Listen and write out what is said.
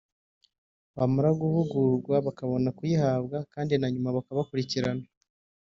bamara guhugurwa bakabona kuyihabwa kandi na nyuma bakabakurikirana